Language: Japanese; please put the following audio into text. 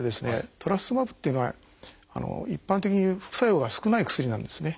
トラスツズマブっていうのは一般的に副作用が少ない薬なんですね。